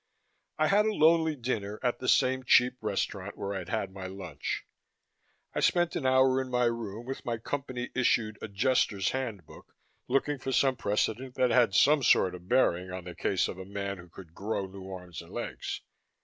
I had a lonely dinner at the same cheap restaurant where I'd had my lunch. I spent an hour in my room with my Company issued Adjuster's Handbook, looking for some precedent that had some sort of bearing on the case of a man who could grow new arms and legs.